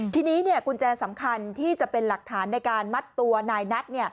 ทีนี้กุญแจสำคัญที่จะเป็นหลักฐานในการมัดตัวนายนัท